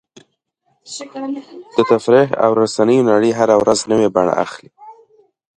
د تفریح او رسنیو نړۍ هره ورځ نوې بڼه اخلي.